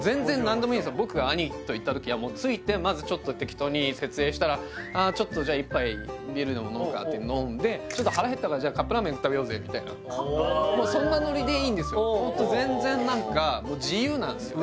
僕が兄と行った時はもう着いてまずちょっと適当に設営したらああちょっとじゃあ１杯ビールでも飲むかって飲んでちょっと腹へったからカップラーメン食べようぜみたいなおおそんなノリでいいんですよ全然何か自由なんすよね